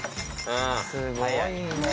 すごいね。